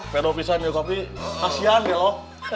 penopisan ya kopi kasihan ya lo